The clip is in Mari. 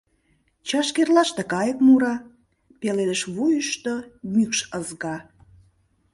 Чашкерлаште кайык мура, пеледыш вуйышто мӱкш ызга.